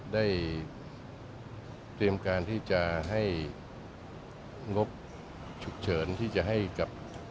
ได้เตรียมการที่จะให้งบฉุกเฉินที่จะให้กับ